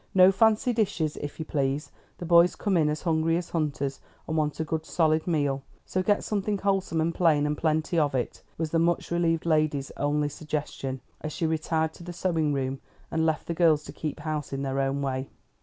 "No fancy dishes, if you please; the boys come in as hungry as hunters, and want a good solid meal; so get something wholesome and plain, and plenty of it," was the much relieved lady's only suggestion, as she retired to the sewing room and left the girls to keep house in their own way.